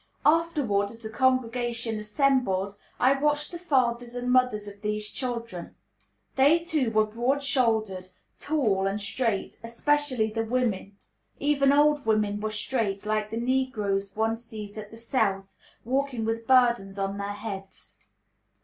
Afterward, as the congregation assembled, I watched the fathers and mothers of these children. They, too, were broad shouldered, tall, and straight, especially the women. Even old women were straight, like the negroes one sees at the South, walking with burdens on their heads.